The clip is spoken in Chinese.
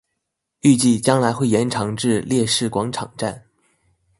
预计将来会延长至烈士广场站。